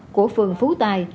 của phường phú tài